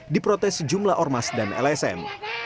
diprotes sejumlah ormas dan lsm